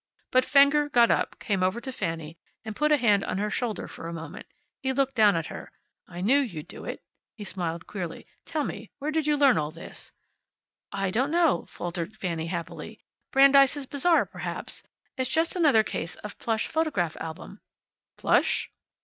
But Fenger got up, came over to Fanny, and put a hand on her shoulder for a moment. He looked down at her. "I knew you'd do it." He smiled queerly. "Tell me, where did you learn all this?" "I don't know," faltered Fanny happily. "Brandeis' Bazaar, perhaps. It's just another case of plush photograph album." "Plush